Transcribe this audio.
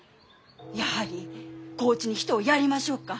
やはり高知に人をやりましょうか？